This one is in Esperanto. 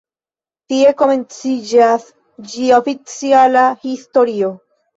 Tie komenciĝas ĝia oficiala historio.